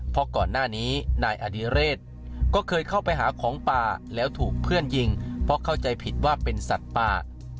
เพราะก่อนหน้านี้นายอดิเรศก็เคยเข้าไปหาของป่าแล้วถูกเพื่อนยิงเพราะเข้าใจผิดว่าเป็นสัตว์ป่า